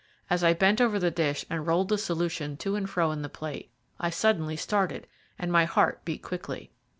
As I bent over the dish and rolled the solution to and fro in the plate, I suddenly started, and my heart beat quickly.